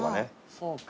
そうか。